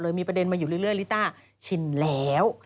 มีประเด็นมาอยู่เรื่อยลิต้าชินแล้ว